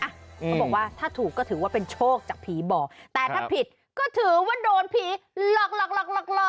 เขาบอกว่าถ้าถูกก็ถือว่าเป็นโชคจากผีบอกแต่ถ้าผิดก็ถือว่าโดนผีหลอกหลอก